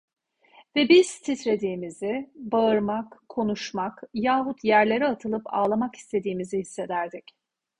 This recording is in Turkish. Ve biz titrediğimizi, bağırmak, konuşmak, yahut yerlere atılıp ağlamak istediğimizi hissederdik…